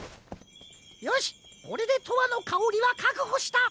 よしこれで「とわのかおり」はかくほした。